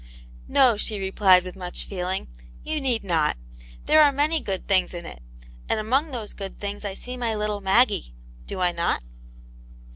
" No," she replied, with much feeling, "you need not. There are many good things in it, and among those good things I see my little Maggie; do I not?"